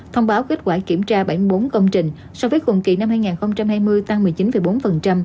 thông báo kết quả kiểm tra bảy mươi bốn công trình so với cùng kỳ năm hai nghìn hai mươi tăng một mươi chín bốn